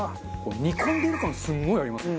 煮込んでる感すごいありますね。